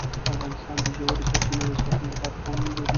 افغانستان د ژورې سرچینې د ساتنې لپاره قوانین لري.